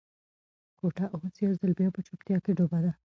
کوټه اوس یو ځل بیا په چوپتیا کې ډوبه ده.